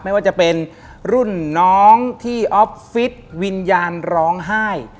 ไม่ว่าจะเป็นรุ่นน้องที่ออฟฟิศวิญญาณร้องไห้